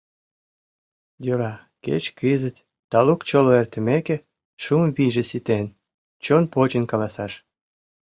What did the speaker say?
Йӧра кеч кызыт, талук чоло эртымеке, шӱм вийже ситен... чон почын каласаш.